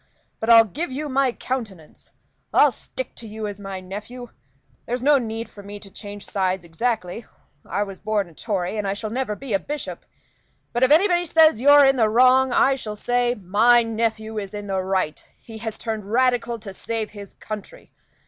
But I'll give you my countenance I'll stick to you as my nephew. There's no need for me to change sides exactly. I was born a Tory, and I shall never be a bishop. But if anybody says you're in the wrong, I shall say, 'My nephew is in the right; he has turned Radical to save his country.